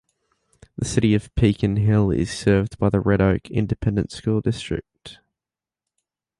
The City of Pecan Hill is served by the Red Oak Independent School District.